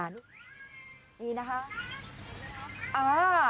นี่นะคะ